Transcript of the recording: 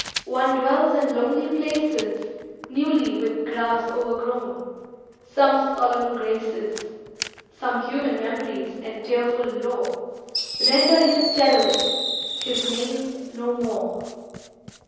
One dwells in lonely places, Newly with grass o'ergrown; some solemn graces, Some human memories and tearful lore, Render him terrorless: his name's "No More."